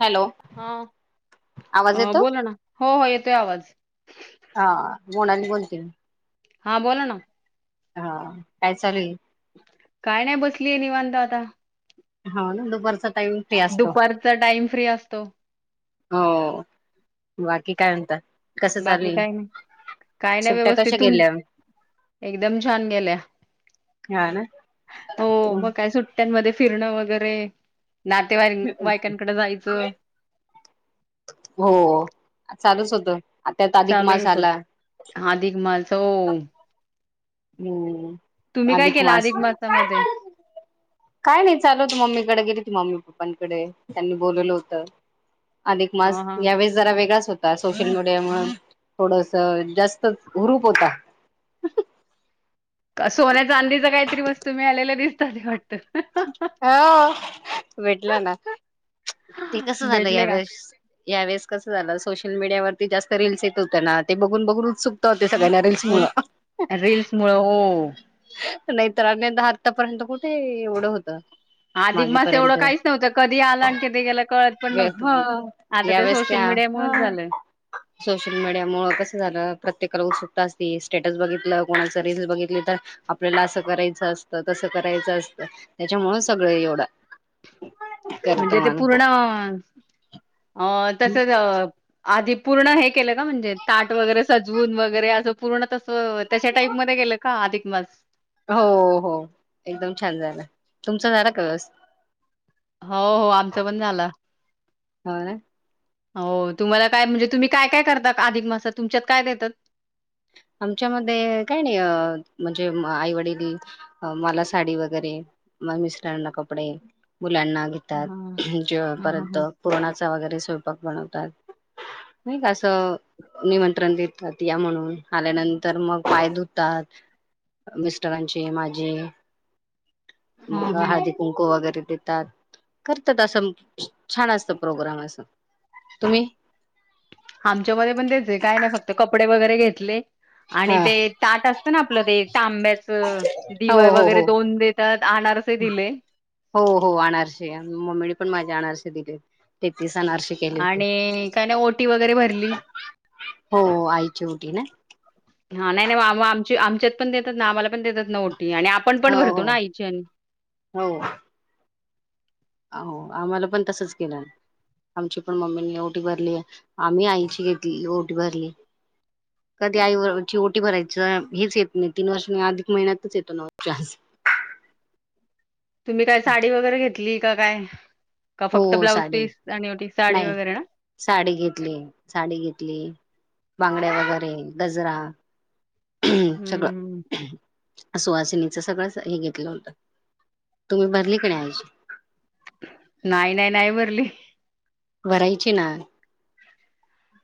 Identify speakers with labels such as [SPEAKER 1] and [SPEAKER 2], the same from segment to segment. [SPEAKER 1] Hello
[SPEAKER 2] हा
[SPEAKER 1] आवाज
[SPEAKER 2] अ
[SPEAKER 1] येतो
[SPEAKER 2] बोला ना हो हो येतोय आवाज.
[SPEAKER 1] हा मोनाली बोलते मी.
[SPEAKER 2] हा बोला ना.
[SPEAKER 1] हा काय चालू आहे.
[SPEAKER 2] काय नाही बसलीय निवांत आता.
[SPEAKER 1] हा न बरसात टाइम फ्री असतो
[SPEAKER 2] दुपारचा टाइम फ्री असतो
[SPEAKER 1] हो. बाकी काय म्हणता कसं
[SPEAKER 2] बाकी
[SPEAKER 1] चालेल.
[SPEAKER 2] काय नाही काय नाही
[SPEAKER 1] सुट्ट्या
[SPEAKER 2] व्यवस्थित
[SPEAKER 1] कशा
[SPEAKER 2] तुम
[SPEAKER 1] गेल्या?
[SPEAKER 2] एकदम छान गेल्या.
[SPEAKER 1] हा ना.
[SPEAKER 2] हो मग काय सुट्ट्यांमध्ये फिरणं वगैरे, नातेवाई वायकांकडे जायचं.
[SPEAKER 1] हो [inaudible] चालूच होत त्यात अधिक
[SPEAKER 2] चालू
[SPEAKER 1] मास
[SPEAKER 2] होत
[SPEAKER 1] आला
[SPEAKER 2] आधिक मासच हो
[SPEAKER 1] हम्म
[SPEAKER 2] [inaudible] तुम्ही काय केला अधिक मासामध्ये
[SPEAKER 1] काय नाही चालू तू मम्मीकडे गेली ती मम्मी पप्पांकडे त्यांनी बोलवलं होत अधिक
[SPEAKER 2] हा
[SPEAKER 1] मास
[SPEAKER 2] हा
[SPEAKER 1] या वेळेस जरा वेगळाच होता सोशल मीडिया मग थोडस जास्त हुरूप होता [inaudible]
[SPEAKER 2] का सोन्याचा आधीचा काहीतरी वस्तू मी आलेला दिसत [inaudible] वाटतं
[SPEAKER 1] हो [inaudible] भेटलं ना ते कस झालं
[SPEAKER 2] भेटले का
[SPEAKER 1] यावेळेस -यावेेळेस कस झालं सोशल मीडियावर जास्त रीलल्स येत होत ना ते बघून बघून उत्सुकता हो ते सगळ्यांना रील्स मुळे
[SPEAKER 2] रील्स मुळ हो
[SPEAKER 1] [inaudible] नाही तर आनंद आत्तापर्यंत कुठे एवढं होतं
[SPEAKER 2] अधिक मास एवढं
[SPEAKER 1] मागेपर्यंत
[SPEAKER 2] काहीच नव्हतं कधी आला आणि कधी गेला कळत पण
[SPEAKER 1] ह
[SPEAKER 2] नव्हतं ते आता सोश
[SPEAKER 1] यावेळेस
[SPEAKER 2] सोशल
[SPEAKER 1] त्या ह
[SPEAKER 2] मीडियामुळेच‌ झालंय
[SPEAKER 1] [inaudible] सोशल मीडिया मुळ कसं झालं प्रत्येकाला उत्सुक स्टेटस बघितलं कोणाच रीलस बघितली तर आपल्याला असं करायचं असतं तसं करायचं असतं [inaudible] त्याच्यामुळे सगळे एवढं करतो
[SPEAKER 2] म्हणजे ते
[SPEAKER 1] माणूस
[SPEAKER 2] पूर्ण अ तसच अ आधी पूर्ण हे केलं का म्हणजे ताट वगैरे सजवून वगैरे असं पूर्ण तस त्याच्या टाईपमध्ये गेलं का अधिक मास
[SPEAKER 1] हो- हो एकदम छान झालं तुमचं झालं कस
[SPEAKER 2] हो- हो आमचं पण झालंय
[SPEAKER 1] हो ना
[SPEAKER 2] हो तुम्हाला काय म्हणजे तुम्ही काय -काय करता अधिक मासात तुमच्यात काय देतात
[SPEAKER 1] [inaudible] आमच्यामध्ये काय नाही म्हणजे आईवडील मला साडी वगैरे मिस्टरांना कपडे मुलांना
[SPEAKER 2] हा
[SPEAKER 1] घेतात [inaudible] जे
[SPEAKER 2] हा हा
[SPEAKER 1] परंत
[SPEAKER 2] हा
[SPEAKER 1] पुरणाचं वगैरे स्वयंपाक बनवतात नाही का असं निमंत्रण देतात या म्हणून आल्यानंतर मग पाय धुतात [inaudible] मिस्टरांचे माझी
[SPEAKER 2] हा हा
[SPEAKER 1] हळदी [inaudible] कुंकू वगैरे देतात करतात असं छान असत प्रोग्राम असं तुम्ही
[SPEAKER 2] आमच्यामध्ये पण तेच काय नाही फक्त कपडे वगैरे घेतले आणि
[SPEAKER 1] हा
[SPEAKER 2] ते ताट अस असत ना आपलं ते तांब्याच दिवाळ
[SPEAKER 1] हो हो
[SPEAKER 2] वगैरे
[SPEAKER 1] हो
[SPEAKER 2] दोन देतात अनारसे दिले
[SPEAKER 1] हो- हो आमच्या मम्मीने पण माझ्या अनारसे दिलेत ते तीस अनारसे केले होते [inaudible]
[SPEAKER 2] आणि काय नाही ओटी वगैरे भरली
[SPEAKER 1] हो आईची उटी ना
[SPEAKER 2] [inaudible] हा नाही- नाही आम- आम आमच्यात पण देतात ना आम्हाला पण देतात न ते आणि आपण पण
[SPEAKER 1] हो
[SPEAKER 2] भरतो ना
[SPEAKER 1] हो
[SPEAKER 2] आईची आणि.
[SPEAKER 1] हो हो आम्हाला पण तसच केलं. आमची पण मम्मीनी ओटी भरली आम्ही आईची घेतली ओटी भरली. कधी आई वची ओटी भरायचीं हेच येत नाही तीन वर्ष अधिक महिन्यातच येतो क्लास. [inaudible]
[SPEAKER 2] तुम्ही काय साडी वगैरे घेतली का काय? का
[SPEAKER 1] हो
[SPEAKER 2] फक्त ब्लाऊज
[SPEAKER 1] साडी,
[SPEAKER 2] पीस आणि ओटी साडी
[SPEAKER 1] नाही
[SPEAKER 2] वगैरे ना
[SPEAKER 1] साडी घेतली, साडी घेतली. ती बांगड्या वगैरे गजरा. सगळं.
[SPEAKER 2] हम्म
[SPEAKER 1] सुवासिनीच सगळंच हे घेतलं होत तुम्ही भरली का नाही आईची.
[SPEAKER 2] नाही नाही नाही भरली.
[SPEAKER 1] भरायची ना.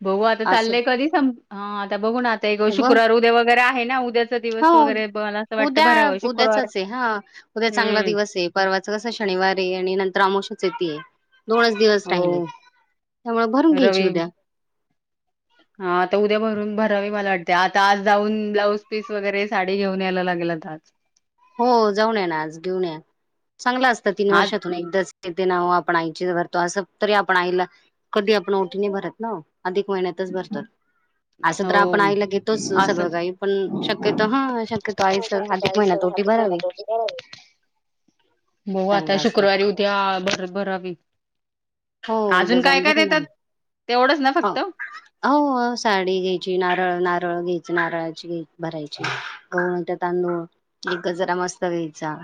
[SPEAKER 2] बघू आता
[SPEAKER 1] असं
[SPEAKER 2] चाललंय कधी सम आता बघू ना आता गं
[SPEAKER 1] बघ
[SPEAKER 2] शुक्रवार उद्या वगैरे आहे ना उद्या चां दिवस
[SPEAKER 1] हो
[SPEAKER 2] वगैरे बल
[SPEAKER 1] उद्या उद्याचाच आहे हा उद्या चांगला
[SPEAKER 2] हम्म
[SPEAKER 1] दिवस आहे परवाचा कसं शनिवारी आहे आणि नंतर अमावश चे ते दोनच दिवस
[SPEAKER 2] हो
[SPEAKER 1] राहिले त्यामुळे भरून घ्यायची
[SPEAKER 2] रवी
[SPEAKER 1] उद्या.
[SPEAKER 2] हा आता उद्या भरून भरावी मला वा त्या आता आज जाऊन ब्लाऊज पीस वगैरे साडी घेऊन यायला लागेलत आता आज.
[SPEAKER 1] हो जाऊन या ना आज घेऊन या चांगला असतं तीन
[SPEAKER 2] आज
[SPEAKER 1] वर्षातून एकदाच तेन तेनाव आपण आईचे भरतो असं तरी आपण आईला कधी आपण ओटी भरत ना अधिक महिन्यात च भरतात असं तर
[SPEAKER 2] हो
[SPEAKER 1] आपण आईला घेतोच सगळं
[SPEAKER 2] असंच
[SPEAKER 1] काही पण शक्यतो हा शक्यतो आईच अधिक महिन्या तो
[SPEAKER 2] बघु
[SPEAKER 1] चांगलं
[SPEAKER 2] आता
[SPEAKER 1] असत
[SPEAKER 2] शुक्रवारी उद्या बरबर अबी
[SPEAKER 1] हो उद्या जाऊन भरून आले
[SPEAKER 2] तेवढंच ना
[SPEAKER 1] हो
[SPEAKER 2] फक्त हा
[SPEAKER 1] हो साडी घे चे नारळ नारळ घ्याय नारळाची भरायची [unintelligible] तांदूळ एक गजरा मस्त घ्यायचं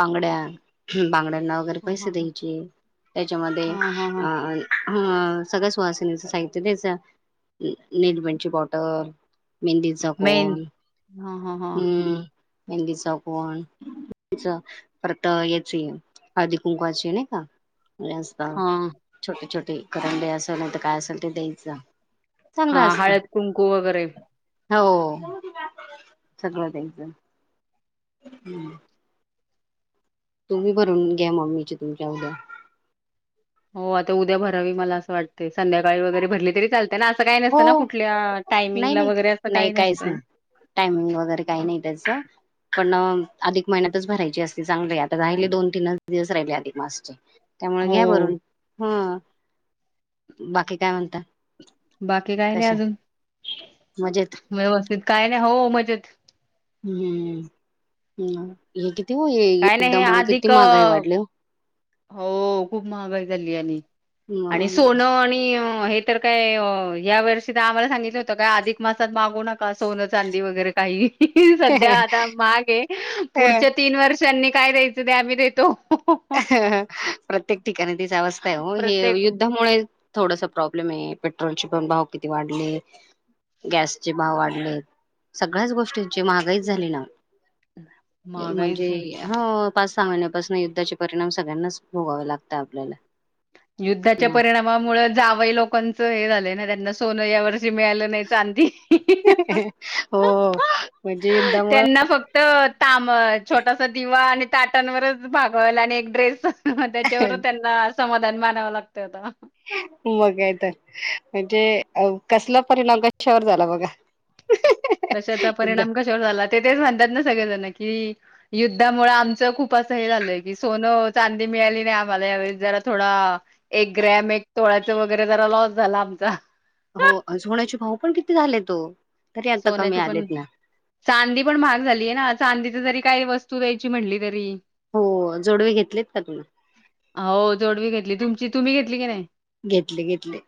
[SPEAKER 1] बांगड्या हम्म बांगड्या ना वगैरे
[SPEAKER 2] हा
[SPEAKER 1] पैसे द्यायचे त्याच्यामध्ये
[SPEAKER 2] हा हा हा
[SPEAKER 1] अ
[SPEAKER 2] हा
[SPEAKER 1] अ हां सगळ्या सुहासिनीचं साहित्य द्यायचं नेलपेंटची बॉटल मेहंदीचा कोन
[SPEAKER 2] मेहंदी हा हा हा
[SPEAKER 1] हम्म मेहंदीचा कोन परत याचे हळदी कुंकवाचे नाही का असतात
[SPEAKER 2] हा
[SPEAKER 1] छोटे छोटी करंडे असेल नाही तर काय असेल ते द्यायचा.
[SPEAKER 2] हा हळद कुंकू वगैरे
[SPEAKER 1] हो. सगळं द्यायचं. तुम्ही भरून घ्या मम्मीचे तुमच्या उद्या.
[SPEAKER 2] हो. आता उद्या भरावी मला असं वाटते. संध्याकाळी जरी भरली तरी चालते. त्यांना असं काही
[SPEAKER 1] हो
[SPEAKER 2] नसतं ना कुठल्या
[SPEAKER 1] नाही
[SPEAKER 2] टायमिंगला
[SPEAKER 1] नाही
[SPEAKER 2] वगैरे असं
[SPEAKER 1] नाही
[SPEAKER 2] काही
[SPEAKER 1] काहीच नाही
[SPEAKER 2] नसतं?
[SPEAKER 1] टायमिंग वगैरे काही नाही त्याचं. पण अधिक महिन्यातच भरायची असती चांगली. आता राहिले दोन तीन दिवस राहिले अधिक मासचे. त्यामुळे घ्या
[SPEAKER 2] हो
[SPEAKER 1] भरून. ह बाकी काय म्हणता?
[SPEAKER 2] बाकी काय नाही
[SPEAKER 1] कशा
[SPEAKER 2] अजून.
[SPEAKER 1] मजेत
[SPEAKER 2] व्यवस्थित काय नाही. हो मजेत.
[SPEAKER 1] हम्म हम. किती
[SPEAKER 2] काय नाही हे
[SPEAKER 1] युद्धामुळे किती
[SPEAKER 2] अधिक
[SPEAKER 1] महागाई
[SPEAKER 2] अ,
[SPEAKER 1] वाढली.
[SPEAKER 2] हो. खूप महागाई झाली. आणि आणि सोनं आणि हे तर काय. या वर्षी तर आम्हाला सांगितलं होतं काय अधिक मासात मागू नका सोनं चांदी वगैरे काही. सध्या आता महाग आहे. पुढच्या तीन वर्षांनी काय द्यायचं ते आम्ही देतो.
[SPEAKER 1] प्रत्येक ठिकाणी [unintelligible] हे
[SPEAKER 2] प्रत्येक
[SPEAKER 1] युद्धामुळे थोडस प्रॉब्लेम आहे. पेट्रोलचे भाव पण किती वाढले. गॅसचे भाव वाढले. सगळ्याच गोष्टींची महागाईच झाली ना.
[SPEAKER 2] महागाईच
[SPEAKER 1] म्हणजे हो. पाच सहा महिन्यापासून युद्धाचे परिणाम सगळ्यांनाच भोगावे लागत आपल्याला,
[SPEAKER 2] युद्धाच्या परिणामामुळे जावई लोकांचं हे झालंय ना त्यांना सोन यावर मिळालं नाही चांदी
[SPEAKER 1] हो म्हणजे युद्धामुळं
[SPEAKER 2] त्यांना फक्त. ताम छोटासा दिवा आणि ताटांवरच भागल आणि एक ड्रेस, मग त्याच्यावर त्यांना समाधान मानावं लागत होतं.
[SPEAKER 1] मग आहे तर म्हणजे कसला परिणाम कशावर झाला बघा,
[SPEAKER 2] कशाचा
[SPEAKER 1] युद्ध
[SPEAKER 2] परिणाम कशावर झाला ते तेच म्हणतात ना सगळे जण कि युद्धामुळे आमचं खूप असं हे झालंय की सोनं चांदी मिळाली नाही आम्हाला यावे जरा थोडा. एक ग्रॅम एक तोळ्याच वगैरे जरा लॉस झाला आमचा.
[SPEAKER 1] हो अज होण्याचे भाऊ पण किती झाले तो,
[SPEAKER 2] सोन्याची पण चांदी पण महाग झालीय ना चांदी तथ जरी काय वस्तू द्यायची म्हटली तरी,
[SPEAKER 1] हो जोडवे घेतलेत का तुम्ही
[SPEAKER 2] तमची तुम्ही घेतली की नाही.
[SPEAKER 1] घेतले घेतले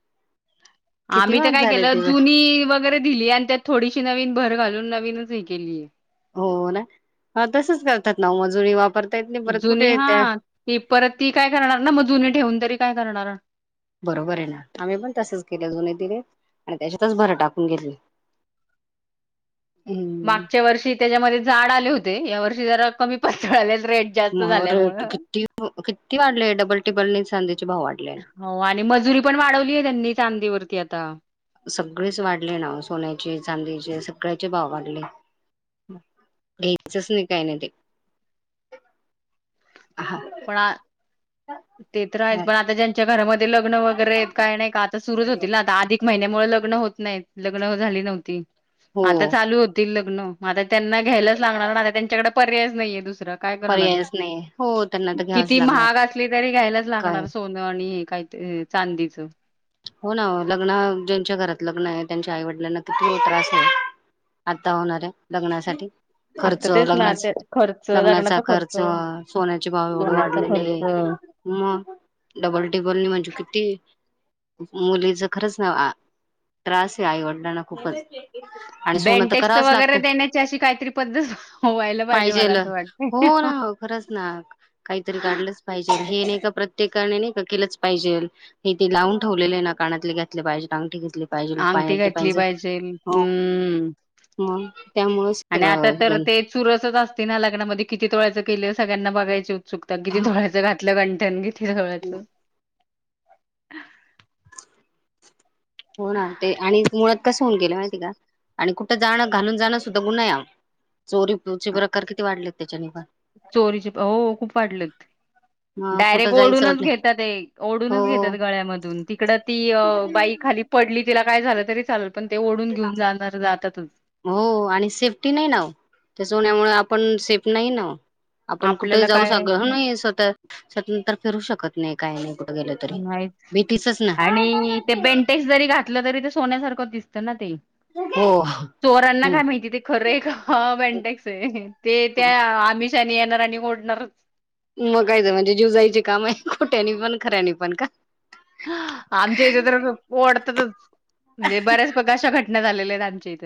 [SPEAKER 1] किती
[SPEAKER 2] आम्ही तर
[SPEAKER 1] महाग
[SPEAKER 2] काय
[SPEAKER 1] झाले
[SPEAKER 2] केलं
[SPEAKER 1] ते
[SPEAKER 2] जुनी वगैरे दिली आणि त्या थोडीशी नवीन भर घालून नवीनच हे केली आहे.
[SPEAKER 1] हो तसच करतात ना मजुरी वापर
[SPEAKER 2] जुनी हा ती परत ती काय करणार ना मग जुनी ठेऊून तरी काय करणार.
[SPEAKER 1] बरोबर आहे ना आम्ही पण तसेच केल्या जुने दिने, आणि त्याच्यातच भरं टाकून घेतली. हम्म.
[SPEAKER 2] मागच्या वर्षी त्याच्यामध्ये झाड आले होते या वर्षी जरा कमी पातळ आल्या.
[SPEAKER 1] मर किती किती वाढले डबल टिबल न सांध [unintelligible]
[SPEAKER 2] हो आणि मजुरी पण वाढवली आहे त्यांनी चांदीवरती आता
[SPEAKER 1] सगळेच वाढले ना, सोन्याचे, चांदीचे, सगळ्या- भाव वाढले, घ्यायचच नाही काही नाही ते हा. [unintelligible]
[SPEAKER 2] पळ [unintelligible] ते तर आहेच,
[SPEAKER 1] हा.
[SPEAKER 2] पण आता ज्यांच्या घरामध्ये लग्न वगैरे काय नाही का आता सुरूच होतील ना आता आधिक- महिन्यामुळे लग्न होत नाही लग्न झाली नव्हती
[SPEAKER 1] हो
[SPEAKER 2] आता चालू होतील लग्न म आता त्यांना घ्यायलाच लागणार नाही त्यांच्याकडे पर्यायच नाहीय दस काय काणार
[SPEAKER 1] पर्यायच नाही हो त्यांना तर घ्यावच
[SPEAKER 2] किती
[SPEAKER 1] लागणार
[SPEAKER 2] महाग अस कुठली तरी घ्यायलाच
[SPEAKER 1] काय
[SPEAKER 2] लागणार सोनं आणि हे काही चांदीच
[SPEAKER 1] हो ना लग्न ज्यांच्या घरात लग्न आहे त्यांच्या आईवडिलांना किती त्रास आहे. आता होणाऱ्या लग्नासाठी. खर्च
[SPEAKER 2] आता तेच ना
[SPEAKER 1] लग्ना
[SPEAKER 2] ते खर्च
[SPEAKER 1] लग्नाचा खर्च सोन्याचे भाव एवढे
[SPEAKER 2] सोन्याचा
[SPEAKER 1] वाढलेले,
[SPEAKER 2] खर्च
[SPEAKER 1] म डबल टिबल ने म्हणजे किती- मुलीच खरंच ना त्रास आहे आईवडिलांना खूपच- आणि सोनं तर
[SPEAKER 2] बेनटेक्स
[SPEAKER 1] करावंच
[SPEAKER 2] वगैरे
[SPEAKER 1] लागतं
[SPEAKER 2] देण्याची अशी काहीतरी पद्धत व्हायला पाहिजे मला
[SPEAKER 1] पाहिजेल
[SPEAKER 2] असं
[SPEAKER 1] हो ना
[SPEAKER 2] वाटतय.
[SPEAKER 1] हो खरंच ना काहीतरी काढलंच पाहिजे. प्रत्येकाने नाही का केलंच पाहिजे हे ते लावून ठेवलेले ना कानातले घातले पाहिजे. अंगठी घेतली पाहिजे,
[SPEAKER 2] अंगठी
[SPEAKER 1] पायातलं
[SPEAKER 2] घातली
[SPEAKER 1] पैंजण
[SPEAKER 2] पाहिजे हम्म
[SPEAKER 1] मग त्यामुळें
[SPEAKER 2] आणि आता
[SPEAKER 1] सगळं
[SPEAKER 2] तर
[SPEAKER 1] घोधळ
[SPEAKER 2] ते चुरसच असते लग्नामध्ये किती तोळ्याचं केलं सग्यांना बघायची उत्सुकता किती तोळ्याचं घातलं घंटन, ळायचं
[SPEAKER 1] हो ना ते आणि मुळात कसं होऊन गेलं माहिती का आणि कुठं जाणं घालून जाणं सुद्धा गुन्हा आहे. चोरीचे प्रकार किती वाढलेत त्याच्या नि
[SPEAKER 2] चोरीचे प हो खूप वाढलेत. डायरेक्ट ओढूनच घेतात ओढूनच घेतात
[SPEAKER 1] हो
[SPEAKER 2] गळ्यामधून तिकड ती बाई खाली पडली तिला काय झालं तरी चाल-
[SPEAKER 1] हो आणि सेफ्टी नाही ना त्याच्यामुळे आपण सेफ नाही ना आपण कुठे
[SPEAKER 2] आपल्याला
[SPEAKER 1] जाऊ
[SPEAKER 2] काय
[SPEAKER 1] सग स्वतः स्वतंत्र फिरू शकत नाही काय नाही. गेलं तरी
[SPEAKER 2] नाहीच
[SPEAKER 1] भीतीचच ना
[SPEAKER 2] आणि ते बेंटेक्स जरी घातलं तरी ते सोन्यासारख दिसत ना ते
[SPEAKER 1] हो.
[SPEAKER 2] चोरांना
[SPEAKER 1] हो
[SPEAKER 2] काय माहिती ते खरं एक बेन्टेक्स आहे ते त्या आमीश येणार आणि ओढणार.
[SPEAKER 1] त्यानी पण खऱ्यानी पण का
[SPEAKER 2] आमच्या इथे तर ओढतातच म्हणजे बऱ्याच बघा अशा घटना झालेल्या आहेत आमच्या इथ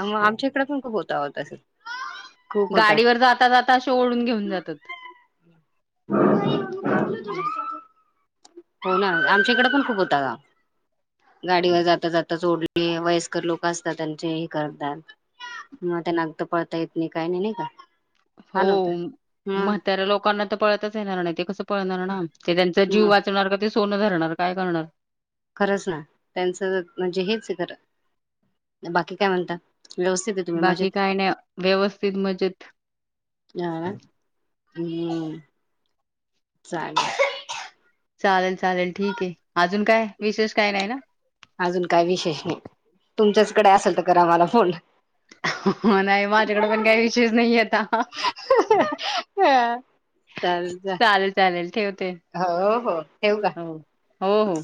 [SPEAKER 1] मग आमच्या इकडे पण खूप होत होत खूप
[SPEAKER 2] गाडीवर जाता जाता
[SPEAKER 1] होतात
[SPEAKER 2] ओढून घेऊन जातात
[SPEAKER 1] [inaudible] हो ना आमच्या इकडे पण खूप होता का गाडीवर जाता जाता सोडले वयस्कर लोक असतात त्यांचे करतात मग ते नाग त पडता येत नाही काही नाही नाही का
[SPEAKER 2] हो
[SPEAKER 1] हाल होता
[SPEAKER 2] म्हाताऱ्या लोकांना तर पळताच येणार नाही ते कस. पळणार ना ते त्यांचा
[SPEAKER 1] ह
[SPEAKER 2] जीव वाचणार का ते सोनं धरणार काय करणार
[SPEAKER 1] खरंच ना त्यांचं म्हणजे हेच खरं बाकी काय म्हणता व्यवस्थित आहे तुम्ही
[SPEAKER 2] बाकी
[SPEAKER 1] मजेत
[SPEAKER 2] काय नाही व्यवस्थित मजेत
[SPEAKER 1] अह हम्म चालेल
[SPEAKER 2] चालेल चालेल ठीक आहे अजून काय विशेष काय नाही ना
[SPEAKER 1] अजून काय विशेष नाही तुमच्याचकडे असेल तर करा मला फोन
[SPEAKER 2] नाही माझ्याकडे पण काही विशेष नाही आता
[SPEAKER 1] ह चाल जा
[SPEAKER 2] चालेल चालेल ठेवते
[SPEAKER 1] हो हो ठेऊ का
[SPEAKER 2] हो हो हो